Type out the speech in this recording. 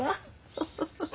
フフフフ。